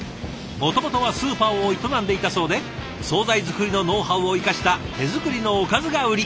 もともとはスーパーを営んでいたそうで総菜作りのノウハウを生かした手作りのおかずが売り。